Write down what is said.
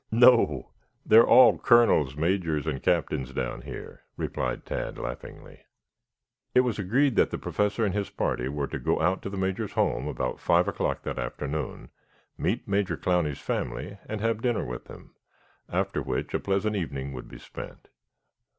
"No, they are all colonels, majors and captains down here," replied Tad laughingly. It was agreed that the Professor and his party were to go out to the Major's home at five o'clock that afternoon, meet Major Clowney's family, and have dinner with them, after which a pleasant evening would be spent.